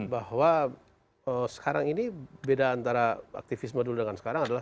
bahwa sekarang ini beda antara aktivisme dulu dengan sekarang adalah